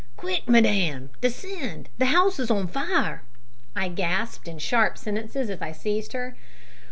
"Quick, madam! descend! the house is on fire!" I gasped in sharp sentences as I seized her.